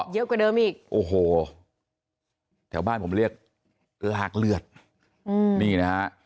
กว่าเดิมอีกโอ้โหแถวบ้านผมเรียกลากเลือดนี่นะฮะ